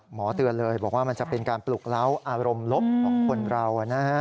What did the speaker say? เตือนเลยบอกว่ามันจะเป็นการปลุกเล้าอารมณ์ลบของคนเรา